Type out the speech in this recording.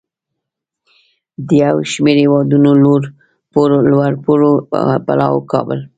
د یو شمیر هیوادونو لوړپوړو پلاوو کابل